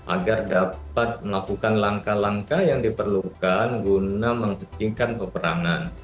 agar dapat melakukan langkah langkah yang diperlukan guna menghentikan peperangan